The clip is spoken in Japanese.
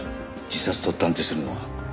自殺と断定するのは。